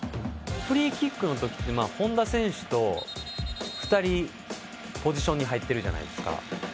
フリーキックの時って本田選手と２人ポジションに入ってるじゃないですか。